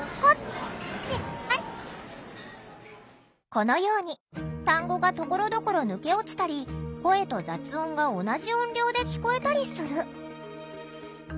このように単語がところどころ抜け落ちたり声と雑音が同じ音量で聞こえたりする。